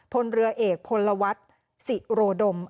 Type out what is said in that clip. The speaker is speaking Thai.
พลเรือเอกพลวัฒน์ศิโรดม